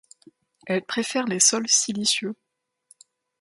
Elle préfère les sols siliceux.